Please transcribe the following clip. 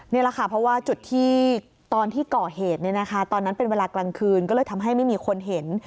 นี่แหละค่ะเพราะว่าจุดที่ตอนที่ก่อเหตุตอนนั้นเป็นเวลากลางคืนก็เลยทำให้ไม่มีคนเห็น